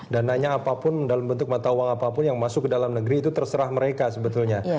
dan nanya apapun dalam bentuk mata uang apapun yang masuk ke dalam negeri itu terserah mereka sebetulnya